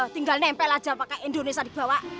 tinggal nempel aja pakai indonesia dibawa